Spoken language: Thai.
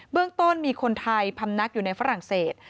เรื่องต้นมีคนไทยพำนักอยู่ในฝรั่งเศส